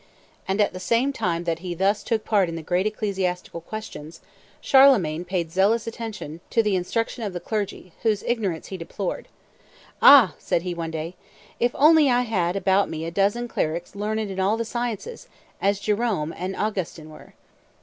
And at the same time that he thus took part in the great ecclesiastical questions, Charlemagne paid zealous attention to the instruction of the clergy, whose ignorance he deplored. "Ah," said he one day, "if only I had about me a dozen clerics learned in all the sciences, as Jerome and Augustin were!"